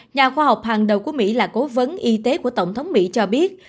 nhà khoa học hàng đầu của mỹ là cố vấn y tế của tổng thống mỹ cho biết